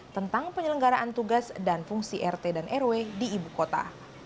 tentang penyelenggaraan tugas dan fungsi rt dan rw di ibu kota